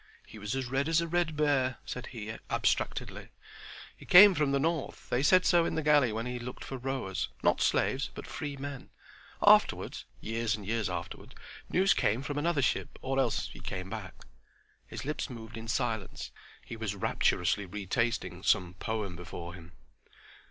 "He was as red as a red bear," said he, abstractedly. "He came from the north; they said so in the galley when he looked for rowers—not slaves, but free men. Afterward—years and years afterward—news came from another ship, or else he came back"—His lips moved in silence. He was rapturously retasting some poem before him.